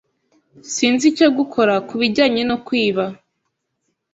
Sinzi icyo gukora kubijyanye no kwiba.